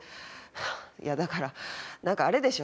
いやだからなんかあれでしょ？